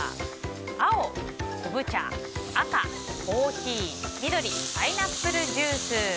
青、昆布茶赤、コーヒー緑、パイナップルジュース。